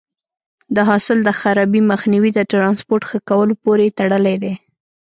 د حاصل د خرابي مخنیوی د ټرانسپورټ ښه کولو پورې تړلی دی.